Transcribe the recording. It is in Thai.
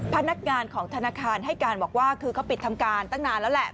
พนักงานของธนาคารให้การบอกว่าคือเขาปิดทำการตั้งนานแล้วแหละ